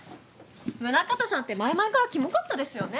宗像さんって前々からきもかったですよね。